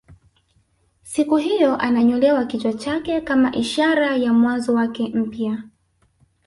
Siku hiyo ananyolewa kichwa chake kama ishara ya mwanzo wake mpya